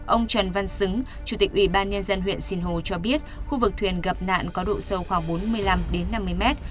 ông trần văn xứng chủ tịch ubnd huyện sinh hồ cho biết khu vực thuyền gặp nạn có độ sâu khoảng bốn mươi năm năm mươi mét